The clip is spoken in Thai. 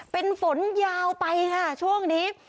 เป็นฝนยาวไปค่ะช่วงนี้